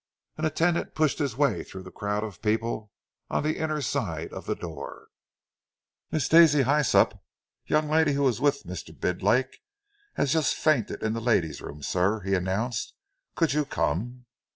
An attendant pushed his way through the crowd of people on the inner side of the door. "Miss Daisy Hyslop, young lady who was with Mr. Bidlake, has just fainted in the ladies' room, sir," he announced. "Could you come?"